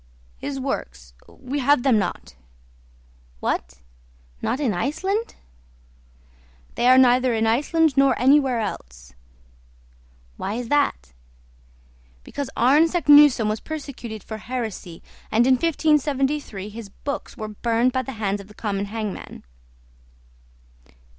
"His works, we have them not." "What not in Iceland?" "They are neither in Iceland nor anywhere else." "Why is that?" "Because Arne Saknussemm was persecuted for heresy, and in 1573 his books were burned by the hands of the common hangman."